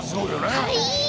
はい！